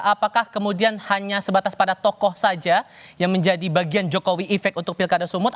apakah kemudian hanya sebatas pada tokoh saja yang menjadi bagian jokowi efek untuk pilkada sumut